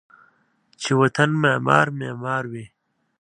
چې و طن معمار ، معمار وی